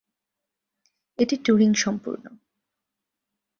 এটি টুরিং-সম্পূর্ণ।